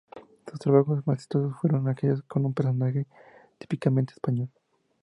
Sus trabajos más exitosos fueron aquellos con un personaje típicamente español.